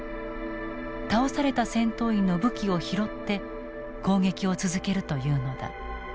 倒された戦闘員の武器を拾って攻撃を続けるというのだ。